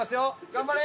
頑張れ！